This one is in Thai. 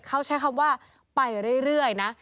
เขาใช้คำว่าไปเรื่อยนะ